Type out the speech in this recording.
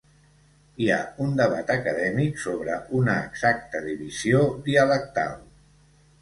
Hi ha un debat acadèmic sobre una exacta divisió dialectal.